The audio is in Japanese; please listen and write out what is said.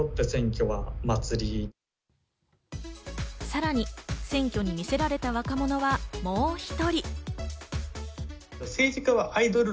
さらに選挙に魅せられた若者はもう１人。